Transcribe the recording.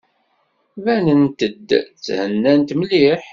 Banent-d thennant mliḥ.